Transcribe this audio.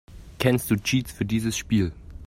Kennst du Cheats für dieses Spiel?